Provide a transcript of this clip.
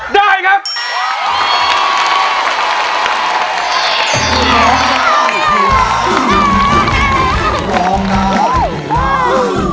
ได้ครับ